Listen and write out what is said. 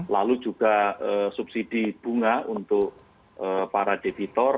lalu juga subsidi bunga untuk para debitor